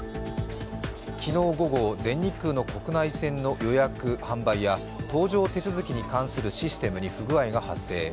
昨日午後、全日空の国内線の予約、販売や、搭乗手続きに関するシステムに不具合が発生。